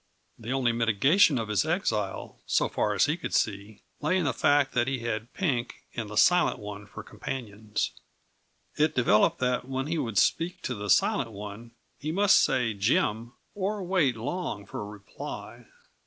The only mitigation of his exile, so far as he could see, lay in the fact that he had Pink and the Silent One for companions. It developed that when he would speak to the Silent One, he must say Jim, or wait long for a reply.